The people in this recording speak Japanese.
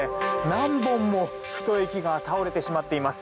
何本も太い木が倒れてしまっています。